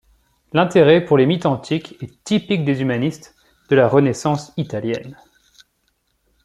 L'intérêt pour les mythes antiques est typique des humanistes de la Renaissance italienne.